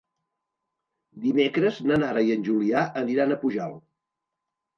Dimecres na Nara i en Julià aniran a Pujalt.